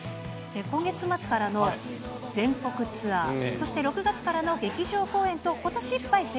今月末からの全国ツアー、そして６月からの劇場公演と、ことしいっぱい